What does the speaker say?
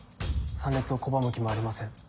参列を拒む気もありません。